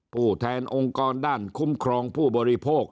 ผู้แทนองค์กรด้านคุ้มครองผู้บริโภค